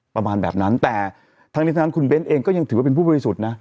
ประมาณแบบนั้นแต่ทั้งนี้ทั้งนั้นคุณเบ้นเองก็ยังถือว่าเป็นผู้บริสุทธิ์นะ